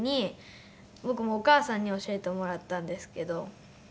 僕もお母さんに教えてもらったんですけど。